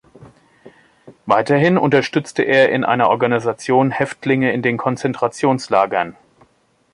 Weiterhin unterstützte er in einer Organisation Häftlinge in den Konzentrationslagern.